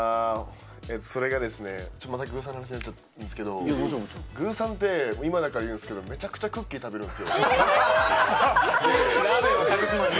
それがですね、グーさんの話にまたなっちゃうんですけれども、グーさんって今だから言うんですけれども、めちゃくちゃクッキー食べるんすよ。